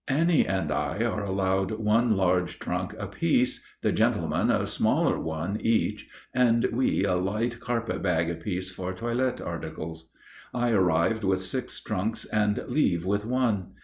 Annie and I are allowed one large trunk apiece, the gentlemen a smaller one each, and we a light carpet sack apiece for toilet articles. I arrived with six trunks and leave with one!